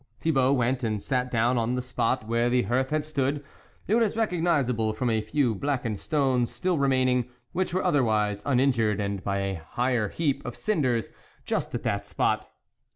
Thibault went and sat down on the spot where the hearth had stood ; it was recog nisable from a few blackened stones still re maining, which were otherwise uninjured, and by a higher heap of cinders just at that spot.